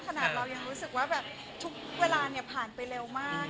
ขนาดเรายังรู้สึกว่าแบบทุกเวลาผ่านไปเร็วมาก